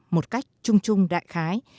một cách trung trung đại khái